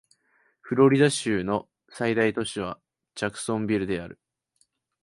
フロリダ州の最大都市はジャクソンビルである